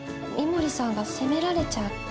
三森さんが責められちゃう。